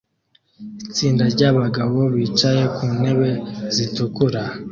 Itsinda ryabagabo bicaye ku ntebe zitukura